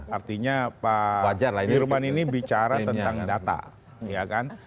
artinya pak dirman ini bicara tentang data